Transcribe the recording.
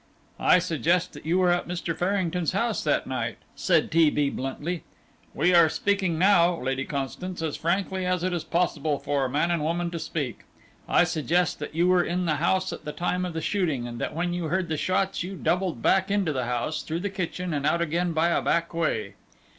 "I suggest that you were at Mr. Farrington's house that night," said T. B. bluntly. "We are speaking now, Lady Constance, as frankly as it is possible for man and woman to speak. I suggest that you were in the house at the time of the shooting, and that when you heard the shots you doubled back into the house, through the kitchen, and out again by a back way."